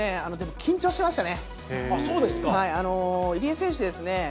緊張してましたね。